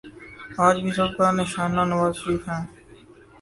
آج بھی سب کا نشانہ نوازشریف ہیں۔